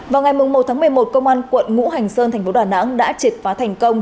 vào ngày một tháng một mươi một công an quận ngũ hành sơn thành phố đà nẵng đã triệt phá thành công